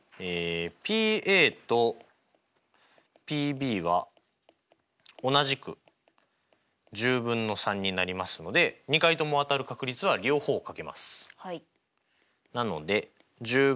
ＰとＰは同じく１０分の３になりますので２回とも当たる確率は両方をかけます。